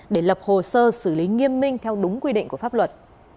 để lập hồ sơ xử lý nghiêm minh theo đúng quy định của pháp luật